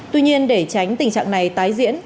tuy nhiên để tránh tình trạng này tái diễn